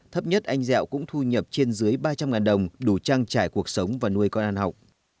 thấp nhất anh dẹo cũng thu nhập trên dưới ba trăm linh đồng đủ trang trải cuộc sống và nuôi con ăn học